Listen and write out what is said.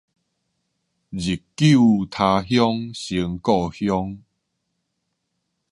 日久他鄉成故鄉